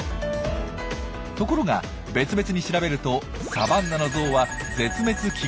ところが別々に調べるとサバンナのゾウは絶滅危惧種。